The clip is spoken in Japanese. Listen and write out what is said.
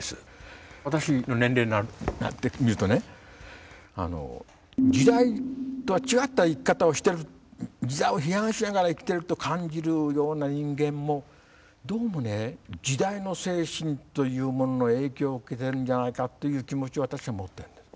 私の年齢になってみるとね時代とは違った生き方をしてる時代を批判しながら生きてると感じるような人間もどうも時代の精神というものの影響を受けてるんじゃないかという気持ちを私は持ってるんです。